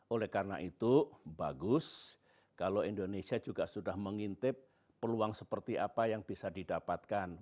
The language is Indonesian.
oleh karena itu bagus kalau indonesia juga sudah mengintip peluang seperti apa yang bisa didapatkan